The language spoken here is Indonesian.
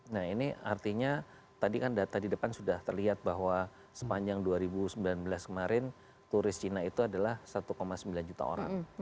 nah ini artinya tadi kan data di depan sudah terlihat bahwa sepanjang dua ribu sembilan belas kemarin turis cina itu adalah satu sembilan juta orang